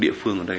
địa phương ở đây